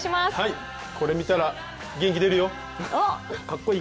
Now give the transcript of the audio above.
これ見たら元気出るよ！